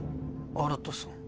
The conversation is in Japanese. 新さん。